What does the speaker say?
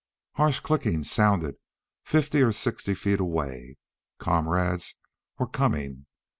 Harsh clickings sounded fifty or sixty feet away; comrades were coming.